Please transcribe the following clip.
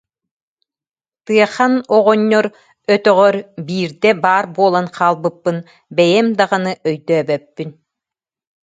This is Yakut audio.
Тыахан оҕонньор өтөҕөр биирдэ баар буолан хаалбыппын бэйэм даҕаны өйдөөбөппүн